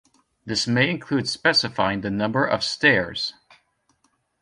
This may include specifying the number of stairs.